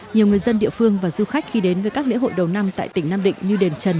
nhiều người dân địa phương và du khách khi đến với các lễ hội đầu năm tại tỉnh nam định như đền trần